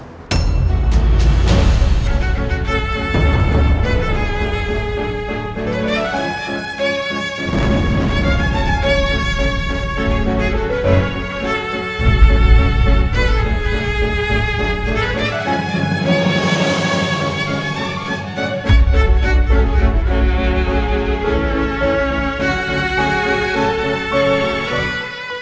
aku akan ngomong yang sebenarnya ma